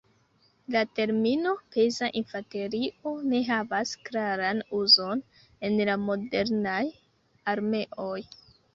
La termino "peza infanterio" ne havas klaran uzon en la modernaj armeoj.